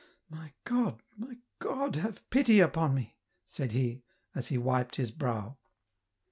" My God, my God, have pity upon me 1 " said he, as he wiped his brow.